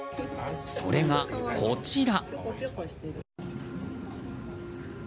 それが、こちら。